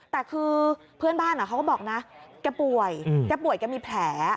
แต่คือเพื่อนบ้านเขาก็บอกนะแกป่วยแกป่วยแกมีแผล